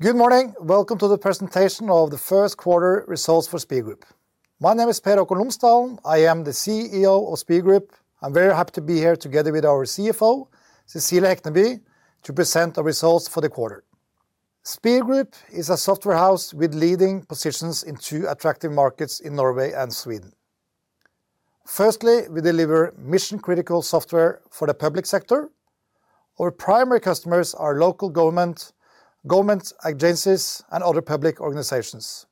Good morning! Welcome to the presentation of the first quarter results for Spir Group. My name is Per Haakon Lomsdalen. I am the CEO of Spir Group. I'm very happy to be here together with our CFO, Cecilie Brænd Hekneby, to present the results for the quarter. Spir Group is a software house with leading positions in two attractive markets in Norway and Sweden. Firstly, we deliver mission-critical software for the public sector. Our primary customers are local government, government agencies, and other public organizations.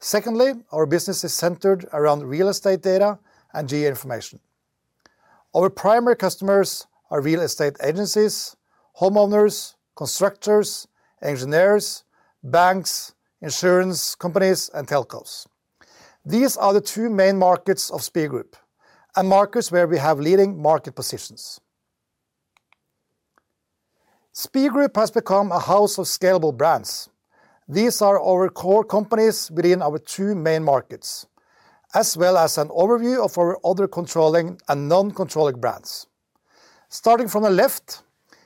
Secondly, our business is centered around real estate data and geoinformation. Our primary customers are real estate agencies, homeowners, constructors, engineers, banks, insurance companies, and telcos. These are the two main markets of Spir Group and markets where we have leading market positions. Spir Group has become a house of scalable brands. These are our core companies within our two main markets, as well as an overview of our other controlling and non-controlling brands. Starting from the left,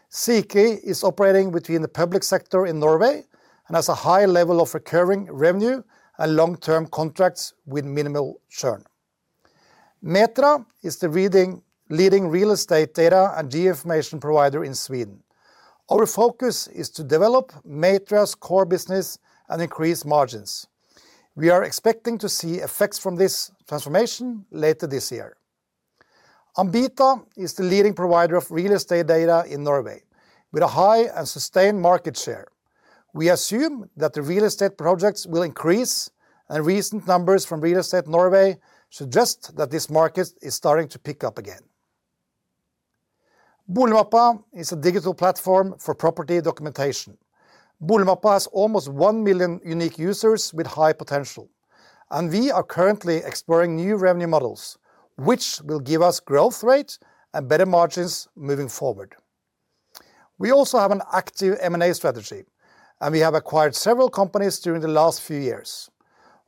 Sikri is operating between the public sector in Norway and has a high level of recurring revenue and long-term contracts with minimal churn. Metria is the leading real estate data and geoinformation provider in Sweden. Our focus is to develop Metria's core business and increase margins. We are expecting to see effects from this transformation later this year. Ambita is the leading provider of real estate data in Norway, with a high and sustained market share. We assume that the real estate projects will increase, and recent numbers from Real Estate Norway suggest that this market is starting to pick up again. Boligmappa is a digital platform for property documentation. Boligmappa has almost 1 million unique users with high potential, and we are currently exploring new revenue models, which will give us growth rate and better margins moving forward. We also have an active M&A strategy, and we have acquired several companies during the last few years.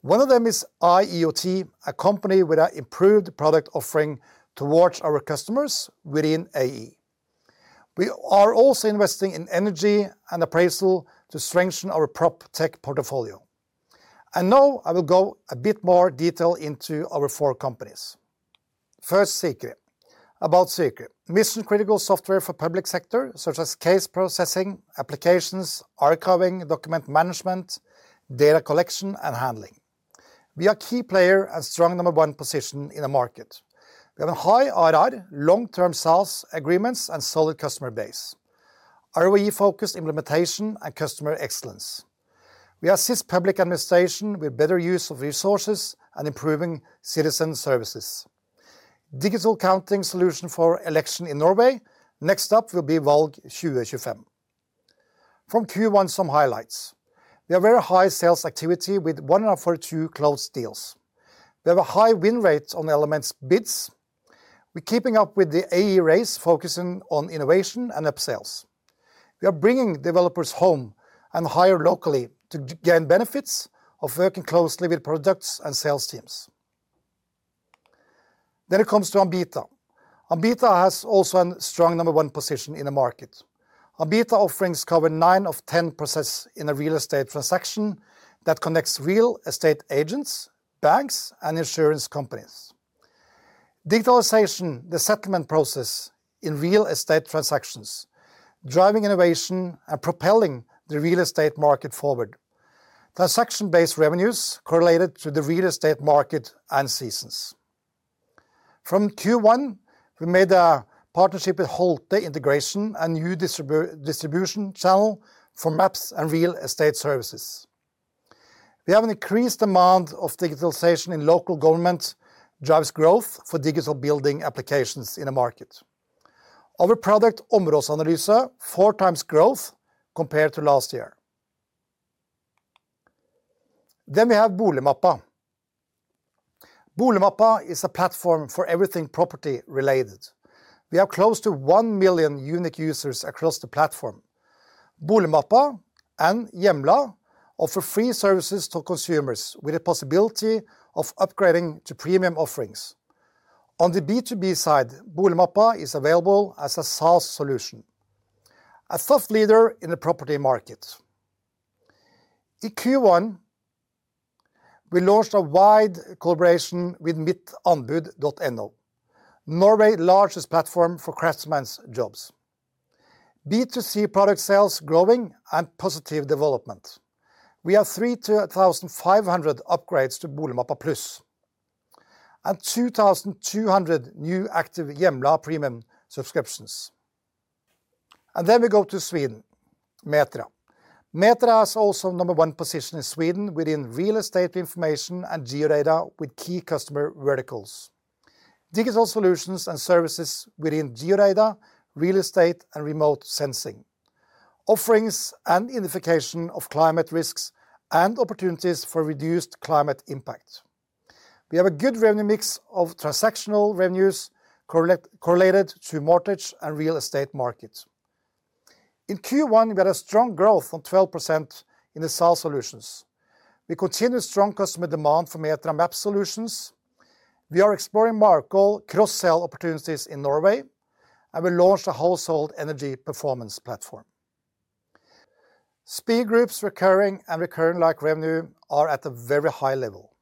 One of them is ioT, a company with an improved product offering towards our customers within AE. We are also investing in energy and appraisal to strengthen our PropTech portfolio. Now, I will go a bit more detail into our four companies. First, Sikri. About Sikri: mission-critical software for public sector, such as case processing, applications, archiving, document management, data collection, and handling. We are a key player and strong number one position in the market. We have a high ARR, long-term sales agreements, and solid customer base, ROI-focused implementation, and customer excellence. We assist public administration with better use of resources and improving citizen services. Digital counting solution for election in Norway. Next up will be Valg 2025. From Q1, some highlights. We have very high sales activity with 142 closed deals. We have a high win rate on Elements bids. We're keeping up with the AI race, focusing on innovation and upsales. We are bringing developers home and hire locally to gain benefits of working closely with products and sales teams. Then it comes to Ambita. Ambita has also a strong number one position in the market. Ambita offerings cover nine of 10 processes in a real estate transaction that connects real estate agents, banks, and insurance companies. Digitalization, the settlement process in real estate transactions, driving innovation and propelling the real estate market forward. Transaction-based revenues correlated to the real estate market and seasons. From Q1, we made a partnership with Holte integration, a new distribution channel for maps and real estate services. We have an increased demand of digitalization in local government, drives growth for digital building applications in the market. Our product, Områdsanalyse, four times growth compared to last year. Then we have Boligmappa. Boligmappa is a platform for everything property-related. We have close to 1 million unique users across the platform. Boligmappa and Hjemla offer free services to consumers with the possibility of upgrading to premium offerings. On the B2B side, Boligmappa is available as a SaaS solution. A thought leader in the property market. In Q1, we launched a wide collaboration with mittanbud.no, Norway's largest platform for craftsmen's jobs. B2C product sales growing and positive development. We have 3,500 upgrades to Boligmappa Pluss, and 2,200 new active Hjemla Premium subscriptions. And then we go to Sweden, Metria. Metria is also number one position in Sweden within real estate information and geodata, with key customer verticals. Digital solutions and services within geodata, real estate, and remote sensing. Offerings and unification of climate risks and opportunities for reduced climate impact. We have a good revenue mix of transactional revenues correlated to mortgage and real estate market. In Q1, we had a strong growth on 12% in the sales solutions. We continue strong customer demand for Metria map solutions. We are exploring market cross-sell opportunities in Norway, and we launched a household energy performance platform. Spir Group's recurring revenue is at a very high level,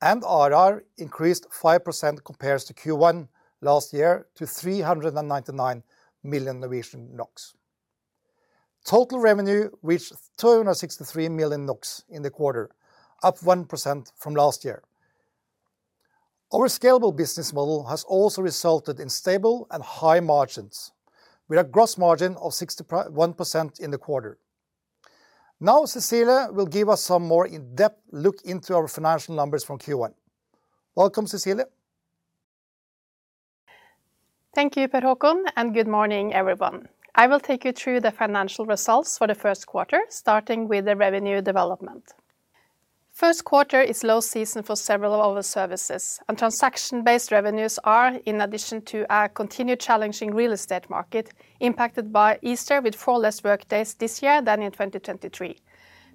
and ARR increased 5% compared to Q1 last year to 399 million Norwegian NOK. Total revenue reached 263 million NOK in the quarter, up 1% from last year. Our scalable business model has also resulted in stable and high margins, with a gross margin of 61% in the quarter. Now, Cecilie will give us some more in-depth look into our financial numbers from Q1. Welcome, Cecilie. Thank you, Per Haakon, and good morning, everyone. I will take you through the financial results for the first quarter, starting with the revenue development. First quarter is low season for several of our services, and transaction-based revenues are, in addition to our continued challenging real estate market, impacted by Easter, with 4 less work days this year than in 2023.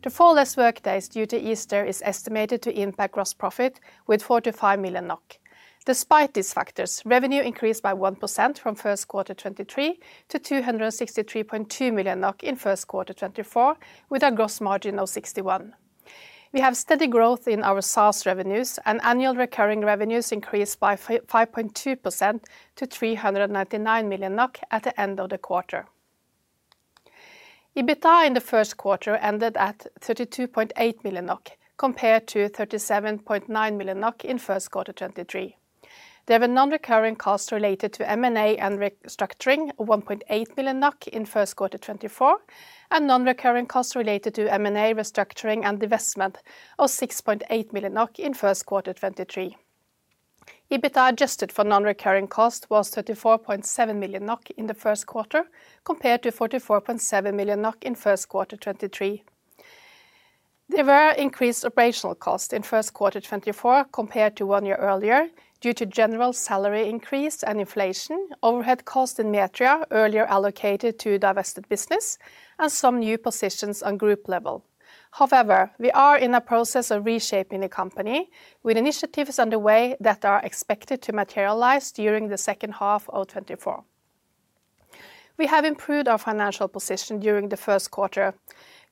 The 4 less work days due to Easter is estimated to impact gross profit with 45 million NOK. Despite these factors, revenue increased by 1% from first quarter 2023 to 263.2 million NOK in first quarter 2024, with a gross margin of 61%. We have steady growth in our SaaS revenues, and annual recurring revenues increased by 5.2% to 399 million NOK at the end of the quarter. EBITDA in the first quarter ended at 32.8 million NOK, compared to 37.9 million NOK in first quarter 2023. There were non-recurring costs related to M&A and restructuring of 1.8 million NOK in first quarter 2024, and non-recurring costs related to M&A restructuring and divestment of 6.8 million NOK in first quarter 2023. EBITDA adjusted for non-recurring cost was 34.7 million NOK in the first quarter, compared to 44.7 million NOK in first quarter 2023. There were increased operational costs in first quarter 2024 compared to one year earlier, due to general salary increase and inflation, overhead costs in Metria, earlier allocated to divested business, and some new positions on group level. However, we are in the process of reshaping the company, with initiatives underway that are expected to materialize during the second half of 2024. We have improved our financial position during the first quarter.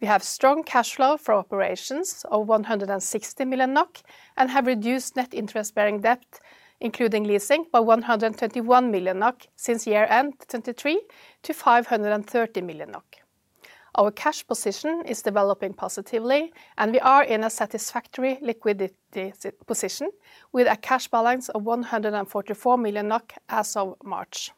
We have strong cash flow from operations of 160 million NOK, and have reduced net interest-bearing debt, including leasing, by 131 million NOK since year-end 2023 to 530 million NOK. Our cash position is developing positively, and we are in a satisfactory liquidity position, with a cash balance of 144 million NOK as of March.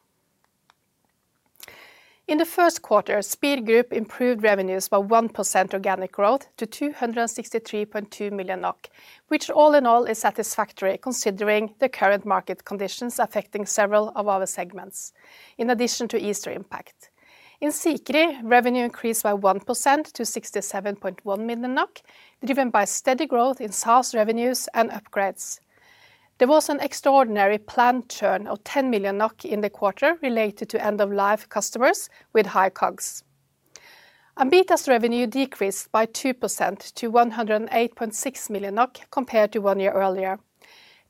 In the first quarter, Spir Group improved revenues by 1% organic growth to 263.2 million NOK, which all in all is satisfactory, considering the current market conditions affecting several of our segments, in addition to Easter impact. In Sikri, revenue increased by 1% to 67.1 million NOK, driven by steady growth in SaaS revenues and upgrades. There was an extraordinary planned churn of 10 million NOK in the quarter related to end-of-life customers with high COGS. Ambita's revenue decreased by 2% to 108.6 million NOK compared to one year earlier.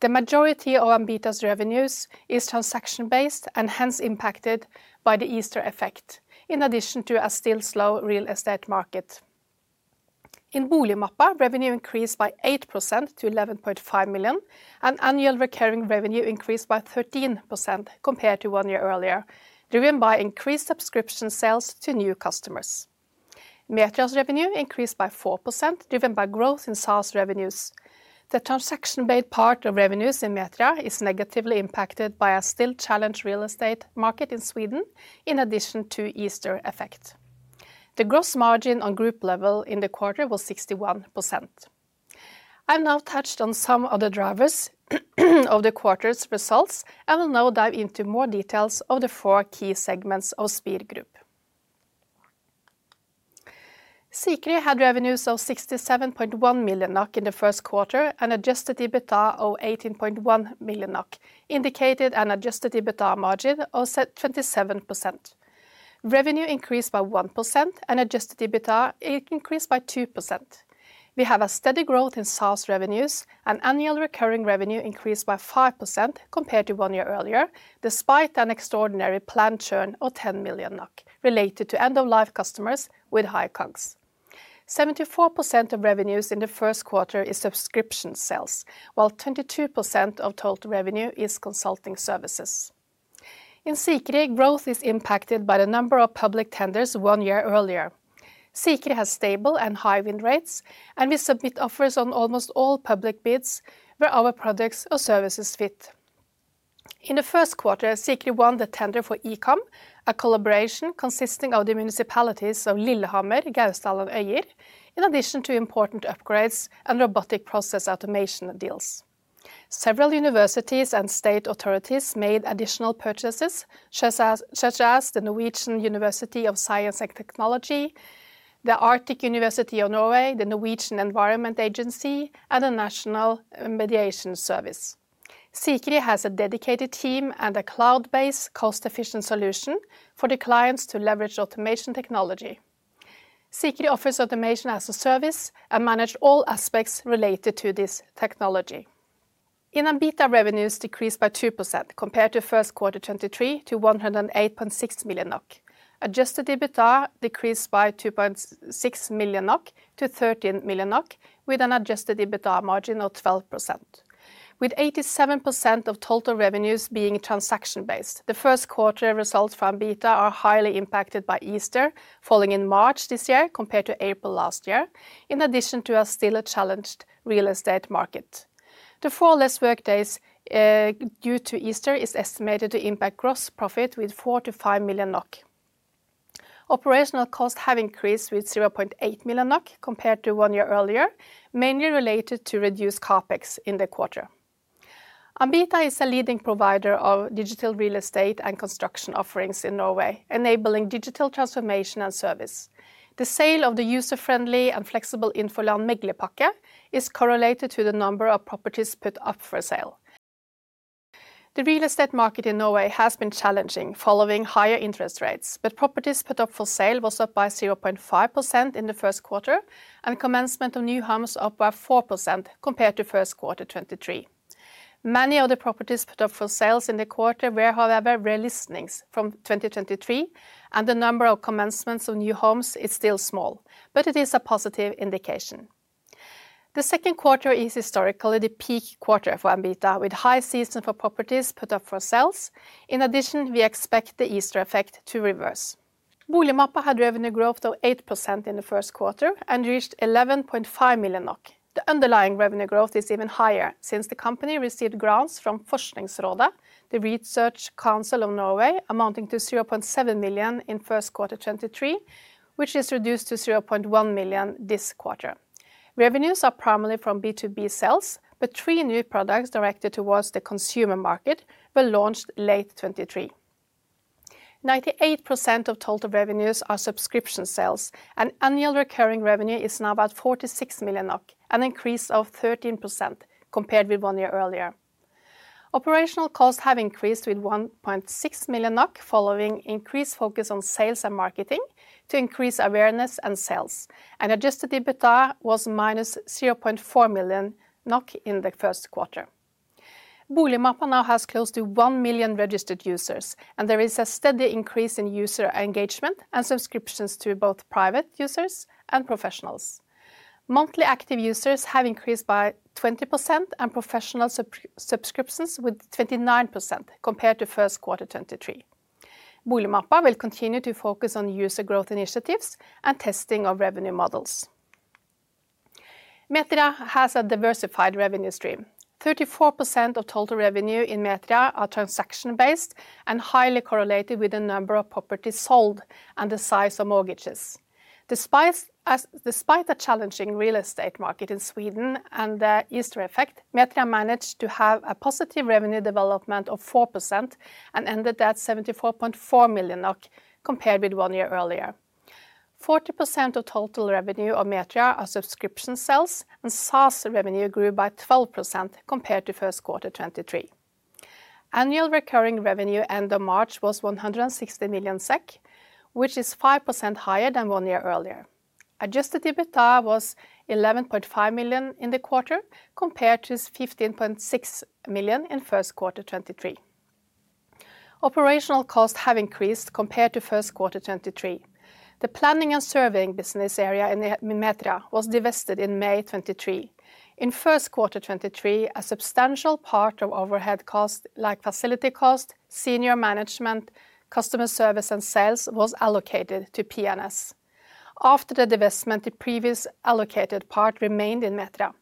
The majority of Ambita's revenues is transaction-based, and hence impacted by the Easter effect, in addition to a still slow real estate market. In Boligmappa, revenue increased by 8% to 11.5 million, and annual recurring revenue increased by 13% compared to one year earlier, driven by increased subscription sales to new customers. Metria's revenue increased by 4%, driven by growth in SaaS revenues. The transaction-based part of revenues in Metria is negatively impacted by a still challenged real estate market in Sweden, in addition to Easter effect. The gross margin on group level in the quarter was 61%. I've now touched on some of the drivers of the quarter's results, and will now dive into more details of the four key segments of Spir Group. Sikri had revenues of 67.1 million NOK in the first quarter, and adjusted EBITDA of 18.1 million NOK, indicated an adjusted EBITDA margin of 27%. Revenue increased by 1%, and adjusted EBITDA, it increased by 2%. We have a steady growth in SaaS revenues, and annual recurring revenue increased by 5% compared to one year earlier, despite an extraordinary planned churn of 10 million NOK related to end-of-life customers with high COGS. 74% of revenues in the first quarter is subscription sales, while 22% of total revenue is consulting services. In Sikri, growth is impacted by the number of public tenders one year earlier. Sikri has stable and high win rates, and we submit offers on almost all public bids where our products or services fit. In the first quarter, Sikri won the tender for Ikomm, a collaboration consisting of the municipalities of Lillehammer, Gausdal, and Øyer, in addition to important upgrades and robotic process automation deals. Several universities and state authorities made additional purchases, such as the Norwegian University of Science and Technology, the Arctic University of Norway, the Norwegian Environment Agency, and the National Mediation Service. Sikri has a dedicated team and a cloud-based, cost-efficient solution for the clients to leverage automation technology. Sikri offers automation as a service and manage all aspects related to this technology. In Ambita, revenues decreased by 2% compared to first quarter 2023 to 108.6 million NOK. Adjusted EBITDA decreased by 2.6 million NOK to 13 million NOK, with an adjusted EBITDA margin of 12%. With 87% of total revenues being transaction-based, the first quarter results from Ambita are highly impacted by Easter falling in March this year compared to April last year, in addition to still a challenged real estate market. The four less workdays due to Easter is estimated to impact gross profit with 4 million-5 million NOK. Operational costs have increased with 0.8 million NOK compared to one year earlier, mainly related to reduced CapEx in the quarter. Ambita is a leading provider of digital real estate and construction offerings in Norway, enabling digital transformation and service. The sale of the user-friendly and flexible Infoland Meglerpakke is correlated to the number of properties put up for sale. The real estate market in Norway has been challenging following higher interest rates, but properties put up for sale was up by 0.5% in the first quarter, and commencement of new homes up by 4% compared to first quarter 2023. Many of the properties put up for sales in the quarter were, however, re-listings from 2023, and the number of commencements of new homes is still small, but it is a positive indication. The second quarter is historically the peak quarter for Ambita, with high season for properties put up for sales. In addition, we expect the Easter effect to reverse. Boligmappa had revenue growth of 8% in the first quarter and reached 11.5 million NOK. The underlying revenue growth is even higher since the company received grants from Forskningsrådet, the Research Council of Norway, amounting to 0.7 million in first quarter 2023, which is reduced to 0.1 million this quarter. Revenues are primarily from B2B sales, but three new products directed towards the consumer market were launched late 2023. 98% of total revenues are subscription sales, and annual recurring revenue is now about 46 million NOK, an increase of 13% compared with 1 year earlier. Operational costs have increased with 1.6 million NOK, following increased focus on sales and marketing to increase awareness and sales. Adjusted EBITDA was -0.4 million NOK in the first quarter. Boligmappa now has close to 1 million registered users, and there is a steady increase in user engagement and subscriptions to both private users and professionals. Monthly active users have increased by 20% and professional sub-subscriptions with 29% compared to first quarter 2023. Boligmappa will continue to focus on user growth initiatives and testing of revenue models. Metria has a diversified revenue stream. 34% of total revenue in Metria are transaction-based and highly correlated with the number of properties sold and the size of mortgages. Despite a challenging real estate market in Sweden and the Easter effect, Metria managed to have a positive revenue development of 4% and ended at 74.4 million NOK, compared with one year earlier. 40% of total revenue of Metria are subscription sales, and SaaS revenue grew by 12% compared to first quarter 2023. Annual recurring revenue end of March was 160 million SEK, which is 5% higher than one year earlier. Adjusted EBITDA was 11.5 million in the quarter, compared to 15.6 million in first quarter 2023. Operational costs have increased compared to first quarter 2023. The planning and surveying business area in the Metria was divested in May 2023. In first quarter 2023, a substantial part of overhead costs, like facility cost, senior management, customer service, and sales, was allocated to P&S. After the divestment, the previous allocated part remained in Metria.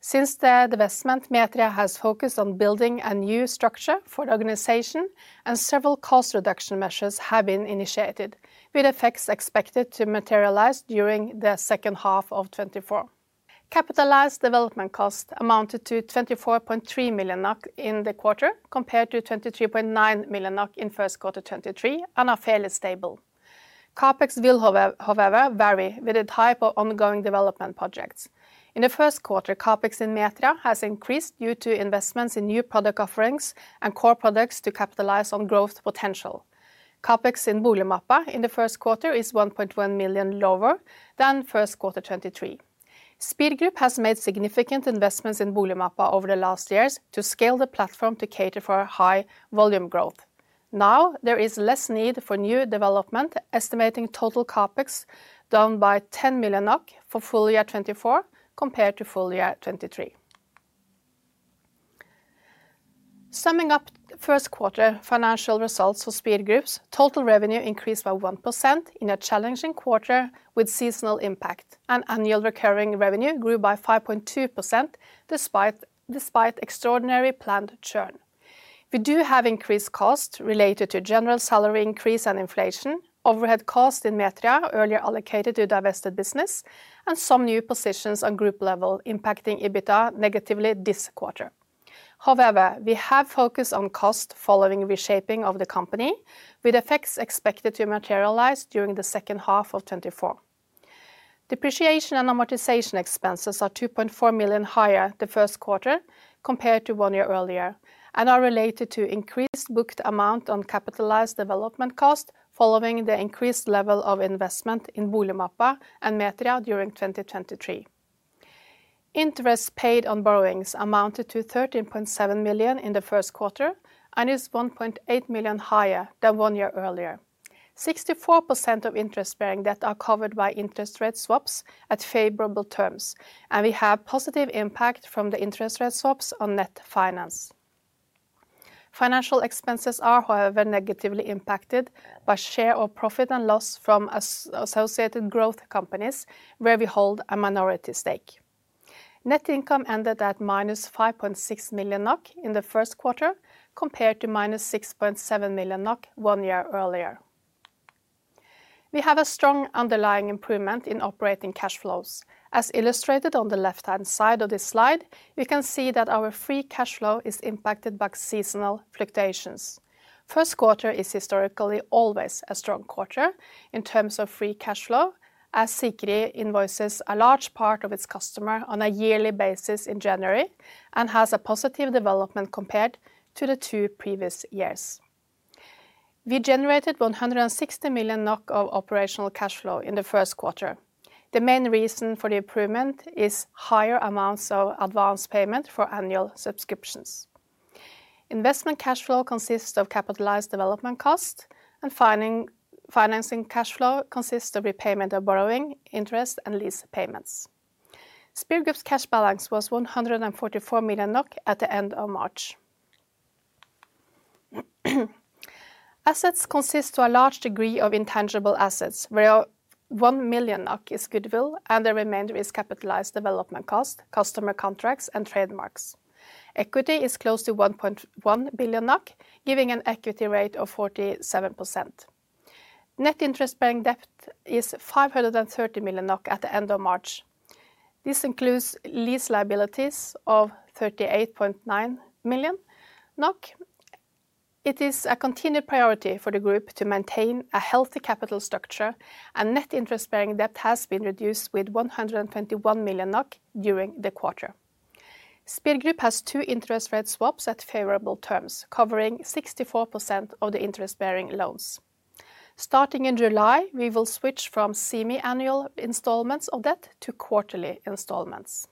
Since the divestment, Metria has focused on building a new structure for the organization, and several cost reduction measures have been initiated, with effects expected to materialize during the second half of 2024. Capitalized development cost amounted to 24.3 million in the quarter, compared to 23.9 million in first quarter 2023, and are fairly stable. CapEx will however vary with the type of ongoing development projects. In the first quarter, CapEx in Metria has increased due to investments in new product offerings and core products to capitalize on growth potential. CapEx in Boligmappa in the first quarter is 1.1 million lower than first quarter 2023. Spir Group has made significant investments in Boligmappa over the last years to scale the platform to cater for a high volume growth. Now, there is less need for new development, estimating total CapEx down by 10 million NOK for full year 2024 compared to full year 2023. Summing up first quarter financial results for Spir Group's total revenue increased by 1% in a challenging quarter with seasonal impact, and annual recurring revenue grew by 5.2% despite extraordinary planned churn. We do have increased costs related to general salary increase and inflation, overhead costs in Metria, earlier allocated to divested business, and some new positions on group level impacting EBITDA negatively this quarter. However, we have focused on cost following reshaping of the company, with effects expected to materialize during the second half of 2024. Depreciation and amortization expenses are 2.4 million higher the first quarter compared to one year earlier, and are related to increased booked amount on capitalized development cost following the increased level of investment in Boligmappa and Metria during 2023. Interest paid on borrowings amounted to 13.7 million in the first quarter, and is 1.8 million higher than one year earlier. 64% of interest-bearing debt are covered by interest rate swaps at favorable terms, and we have positive impact from the interest rate swaps on net finance. Financial expenses are, however, negatively impacted by share of profit and loss from associated growth companies where we hold a minority stake. Net income ended at -5.6 million NOK in the first quarter, compared to -6.7 million NOK one year earlier. We have a strong underlying improvement in operating cash flows. As illustrated on the left-hand side of this slide, we can see that our free cash flow is impacted by seasonal fluctuations. First quarter is historically always a strong quarter in terms of free cash flow, as Sikri invoices a large part of its customer on a yearly basis in January and has a positive development compared to the two previous years. We generated 160 million NOK of operational cash flow in the first quarter. The main reason for the improvement is higher amounts of advanced payment for annual subscriptions. Investment cash flow consists of capitalized development cost, and financing cash flow consists of repayment of borrowing, interest, and lease payments. Spir Group's cash balance was 144 million NOK at the end of March. Assets consist to a large degree of intangible assets, where 1 million is goodwill, and the remainder is capitalized development cost, customer contracts, and trademarks. Equity is close to 1.1 billion NOK, giving an equity rate of 47%. Net interest bearing debt is 530 million NOK at the end of March. This includes lease liabilities of 38.9 million NOK. It is a continued priority for the group to maintain a healthy capital structure, and net interest bearing debt has been reduced with 121 million NOK during the quarter. Spir Group has two interest rate swaps at favorable terms, covering 64% of the interest-bearing loans. Starting in July, we will switch from semi-annual installments of debt to quarterly installments.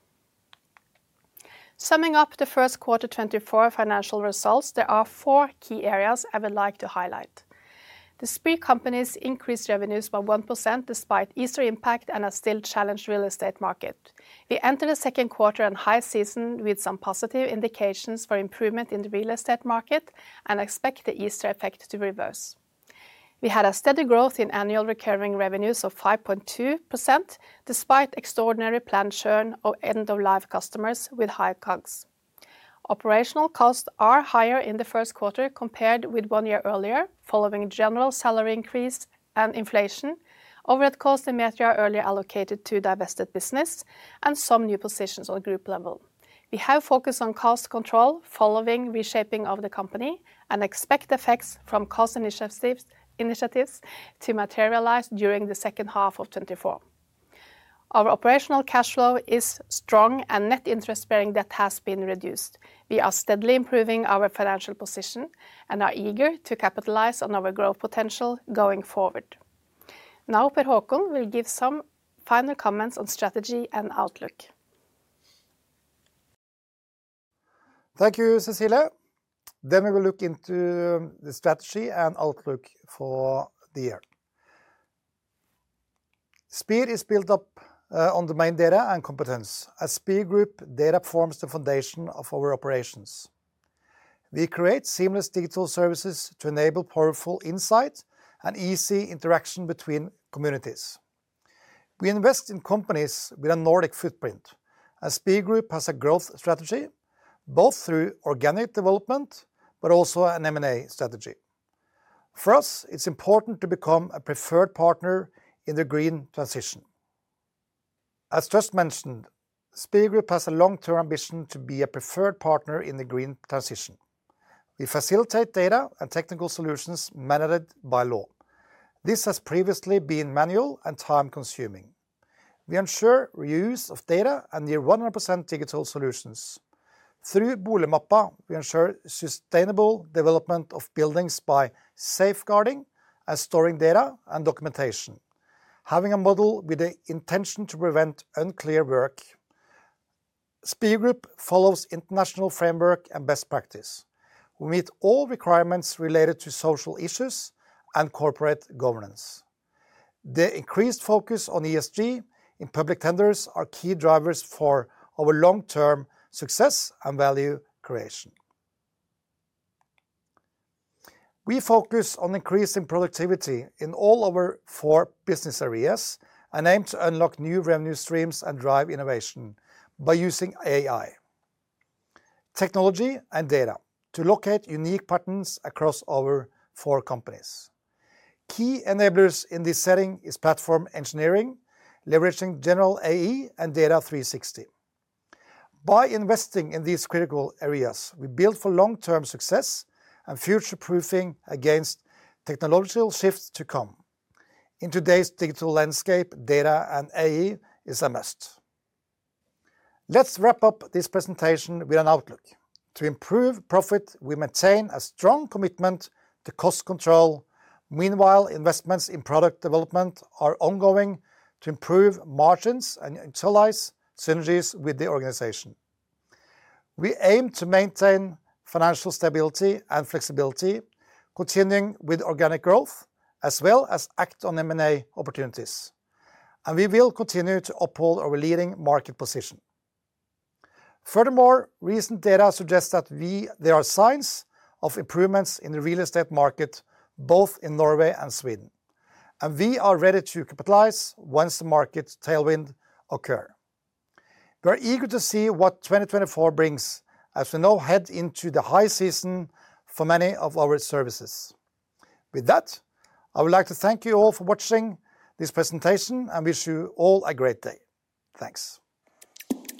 Summing up the first quarter 2024 financial results, there are four key areas I would like to highlight. The Spir companies increased revenues by 1% despite Easter impact and a still challenged real estate market. We enter the second quarter and high season with some positive indications for improvement in the real estate market and expect the Easter effect to reverse. We had a steady growth in annual recurring revenues of 5.2% despite extraordinary planned churn of end-of-life customers with higher COGS. Operational costs are higher in the first quarter compared with one year earlier, following general salary increase and inflation, overhead costs in Metria earlier allocated to divested business, and some new positions on group level. We have focused on cost control following reshaping of the company and expect effects from cost initiatives to materialize during the second half of 2024. Our operational cash flow is strong, and net interest bearing debt has been reduced. We are steadily improving our financial position and are eager to capitalize on our growth potential going forward. Now, Per Haakon will give some final comments on strategy and outlook. Thank you, Cecilie. Then we will look into the strategy and outlook for the year. Spir is built up on the main data and competence. As Spir Group, data forms the foundation of our operations. We create seamless digital services to enable powerful insight and easy interaction between communities. We invest in companies with a Nordic footprint. As Spir Group has a growth strategy, both through organic development, but also an M&A strategy. For us, it's important to become a preferred partner in the green transition. As just mentioned, Spir Group has a long-term ambition to be a preferred partner in the green transition. We facilitate data and technical solutions mandated by law. This has previously been manual and time-consuming. We ensure reuse of data and near 100% digital solutions. Through Boligmappa, we ensure sustainable development of buildings by safeguarding and storing data and documentation. Having a model with the intention to prevent unclear work, Spir Group follows international framework and best practice. We meet all requirements related to social issues and corporate governance. The increased focus on ESG in public tenders are key drivers for our long-term success and value creation. We focus on increasing productivity in all our four business areas and aim to unlock new revenue streams and drive innovation by using AI, technology, and data to locate unique patterns across our four companies. Key enablers in this setting is platform engineering, leveraging general AI and Data360. By investing in these critical areas, we build for long-term success and future-proofing against technological shifts to come. In today's digital landscape, data and AI is a must. Let's wrap up this presentation with an outlook. To improve profit, we maintain a strong commitment to cost control. Meanwhile, investments in product development are ongoing to improve margins and utilize synergies with the organization. We aim to maintain financial stability and flexibility, continuing with organic growth, as well as act on M&A opportunities, and we will continue to uphold our leading market position. Furthermore, recent data suggests that there are signs of improvements in the real estate market, both in Norway and Sweden, and we are ready to capitalize once the market tailwind occur. We are eager to see what 2024 brings, as we now head into the high season for many of our services. With that, I would like to thank you all for watching this presentation and wish you all a great day. Thanks!